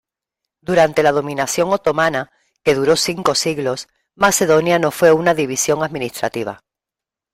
Durante la dominación otomana, que duró cinco siglos, Macedonia no fue una división administrativa.